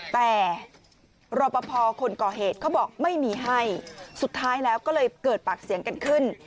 แต่รอปภคนก่อเหตุเขาบอกไม่มีให้สุดท้ายแล้วก็เลยเกิดปากเสียงกันขึ้น